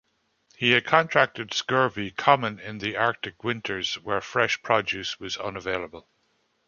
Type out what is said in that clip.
He had contracted scurvy, common in the Arctic winters where fresh produce was unavailable.